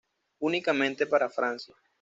Únicamente para Francia.